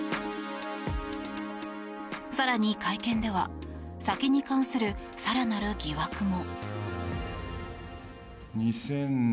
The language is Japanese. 更に会見では酒に関する更なる疑惑も。